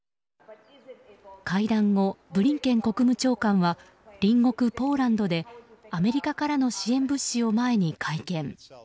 会談後、ブリンケン国務長官は隣国ポーランドでアメリカからの支援物資を前に会見。